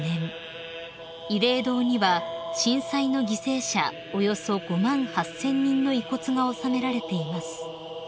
［慰霊堂には震災の犠牲者およそ５万８，０００人の遺骨が納められています］